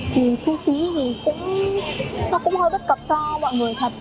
thì thu phí thì cũng hơi bất cập cho mọi người thật